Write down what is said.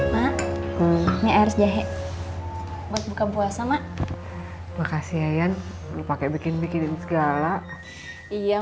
maknya air jahe buat buka puasa mak makasih ayan pakai bikin bikin segala iya